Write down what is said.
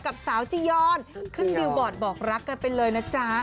กับสาวจียอนขึ้นบิวบอร์ดบอกรักกันไปเลยนะจ๊ะ